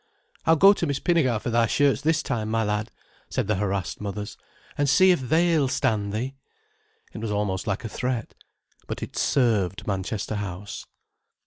"I'll go to Miss Pinnegar for thy shirts this time, my lad," said the harassed mothers, "and see if they'll stand thee." It was almost like a threat. But it served Manchester House.